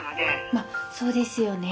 まっそうですよね。